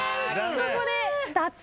ここで脱落です。